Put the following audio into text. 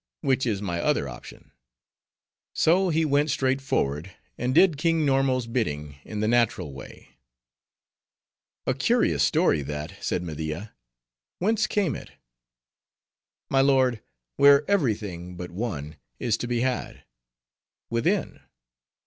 which is my other option.' So he went straight forward, and did King Normo's bidding in the natural way." "A curious story that," said Media; "whence came it?" "My lord, where every thing, but one, is to be had:—within."